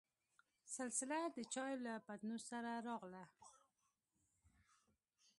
سلسله دچايو له پتنوس سره راغله.